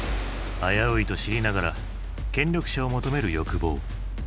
危ういと知りながら権力者を求める欲望。